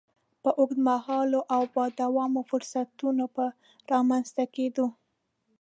د اوږد مهالو او با دوامه فرصتونو په رامنځ ته کېدو.